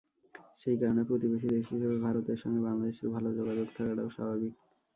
সেই কারণে প্রতিবেশী দেশ হিসেবে ভারতের সঙ্গে বাংলাদেশের ভালো যোগাযোগ থাকাটাও স্বাভাবিক।